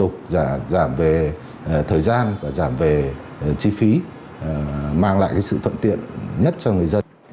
các đơn vị liên quan